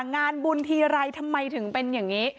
งานบุญทีไรทำไมถึงเป็นอย่างนี้